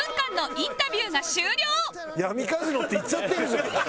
「闇カジノ」って言っちゃってんじゃん！